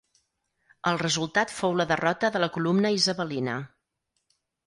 El resultat fou la derrota de la columna isabelina.